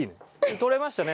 録れましたね。